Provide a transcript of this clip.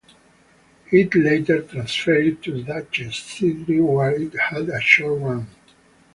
It later transferred to the Duchess Theatre where it had a short run.